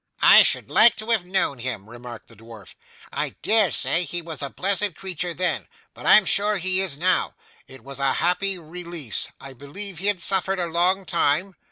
'I should like to have known him,' remarked the dwarf. 'I dare say he was a blessed creature then; but I'm sure he is now. It was a happy release. I believe he had suffered a long time?